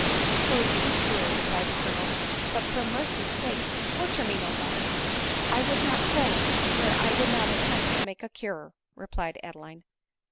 True— too true !" replied the Colonel ;" but for mer cy's sake, torture me no more." "I would not probe where I did not intend to make a cure," replied Adeline.